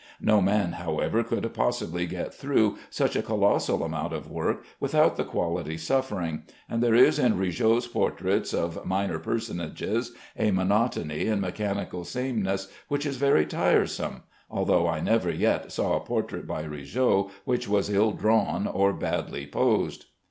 No man, however, could possibly get through such a colossal amount of work without the quality suffering, and there is in Rigaud's portraits of minor personages a monotony and mechanical sameness which is very tiresome, although I never yet saw a portrait by Rigaud which was ill drawn or badly posed.